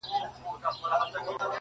د مرستو د وېش